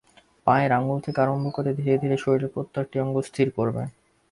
পায়ের আঙুল থেকে আরম্ভ করে ধীরে ধীরে শরীরের প্রত্যেকটি অঙ্গ স্থির করবে।